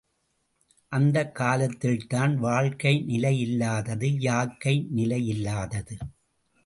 அந்தக் காலத்தில்தான் வாழ்க்கை நிலையில்லாதது யாக்கை நிலையில்லாதது.